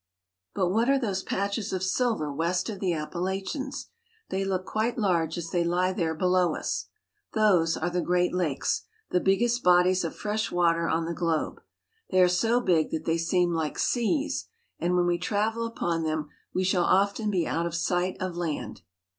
But what are those patches of silver west of the Appa lachians? They look quite large as they lie there below us. Those are the Great Lakes, the biggest bodies of fresh water on the globe. They are so big that they seem like seas, and when we travel upon them we shall often be out of sight of land.